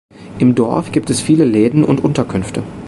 Im Dorf gibt es viele Läden und Unterkünfte.